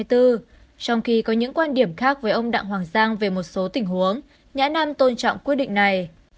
trong khi có những quan điểm khác với ông đặng hoàng giang về một số tình huống nhã nam tôn trọng quyết định này